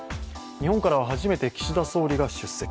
日本からは初めて岸田総理が出席。